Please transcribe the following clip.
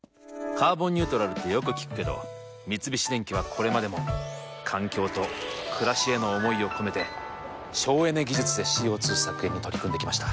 「カーボンニュートラル」ってよく聞くけど三菱電機はこれまでも環境と暮らしへの思いを込めて省エネ技術でＣＯ２削減に取り組んできました。